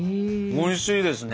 おいしいですね。